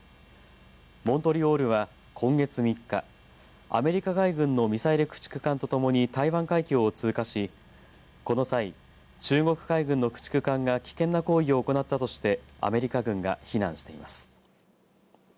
モントリオールは今月３日アメリカ海軍のミサイル駆逐艦と共に台湾海峡を通過しこの際、中国海軍の駆逐艦が危険な行為を行ったとしてアメリカ軍が非難しています。